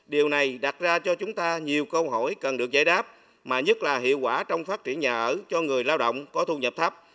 điều này đặt ra cho chúng ta nhiều câu hỏi cần được giải đáp mà nhất là hiệu quả trong phát triển nhà ở cho người lao động có thu nhập thấp